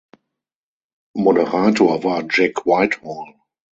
Moderator war Jack Whitehall.